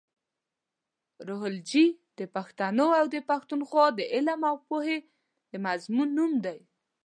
روهالوجي د پښتنو اٶ د پښتونخوا د علم اٶ پوهې د مضمون نوم دې.